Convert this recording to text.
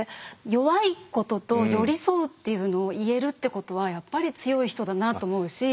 弱いことと寄り添うっていうのを言えるってことはやっぱり強い人だなと思うし